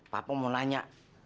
pak ramda mau bertanya